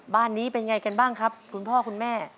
บ้านนี้เป็นไงกันบ้างครับคุณพ่อคุณแม่